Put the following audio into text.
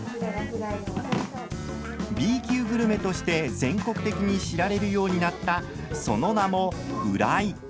Ｂ級グルメとして全国的に知られるようになったその名もフライ。